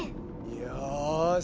よし！